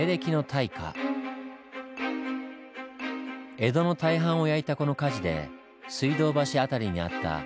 江戸の大半を焼いたこの火事で水道橋辺りにあった「吉祥寺」というお寺も焼け